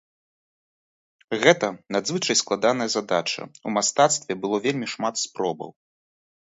Гэта надзвычай складаная задача, у мастацтве было вельмі шмат спробаў.